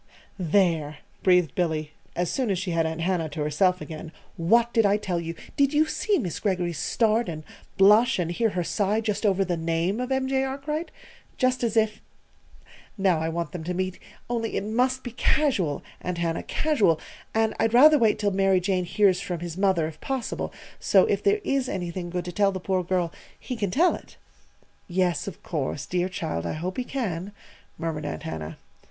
"There!" breathed Billy, as soon as she had Aunt Hannah to herself again. "What did I tell you? Did you see Miss Greggory's start and blush and hear her sigh just over the name of M. J. Arkwright? Just as if ! Now I want them to meet; only it must be casual, Aunt Hannah casual! And I'd rather wait till Mary Jane hears from his mother, if possible, so if there is anything good to tell the poor girl, he can tell it." "Yes, of course. Dear child! I hope he can," murmured Aunt Hannah.